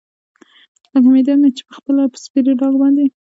لکه معده چې مې پخپله پر سپېره ډاګ باندې.